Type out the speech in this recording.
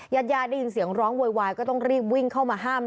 ยัดได้ยินเสียงร้องโวยก็ต้องรีบวิ่งเข้ามาห้าม